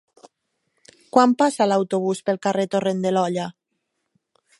Quan passa l'autobús pel carrer Torrent de l'Olla?